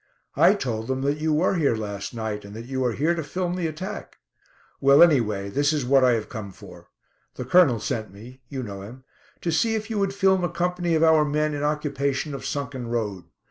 I told them that you were here last night, and that you are here to film the attack. Well, anyway, this is what I have come for. The Colonel sent me you know him to see if you would film a company of our men in occupation of Sunken Road.